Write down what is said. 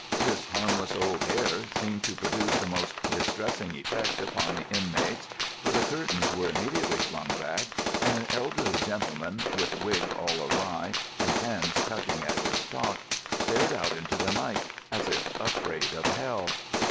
This harmless old air seemed to produce a most distressing effect upon the inmates, for the curtains were immediately flung back and an elderly gentleman, with wig all awry and hands tugging at his stock, stared out into the night as if afraid of hell.